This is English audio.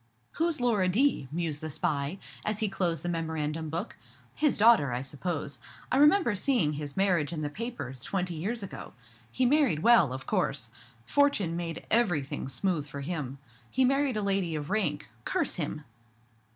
"_ "Who's Laura D.?" mused the spy, as he closed the memorandum book. "His daughter, I suppose. I remember seeing his marriage in the papers, twenty years ago. He married well, of course. Fortune made everything smooth for him. He married a lady of rank. Curse him!"